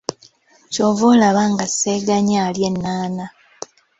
Ky'ova olaba nga Ssegaanya alya ennaana.